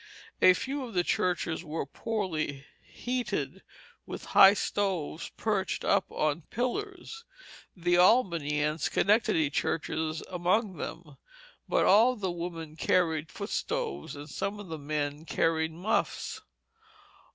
A few of the churches were poorly heated with high stoves perched up on pillars, the Albany and Schenectady churches among them, but all the women carried foot stoves, and some of the men carried muffs.